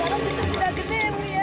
barang kita sudah gede bu ya